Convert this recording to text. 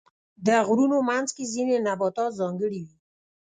د غرونو منځ کې ځینې نباتات ځانګړي وي.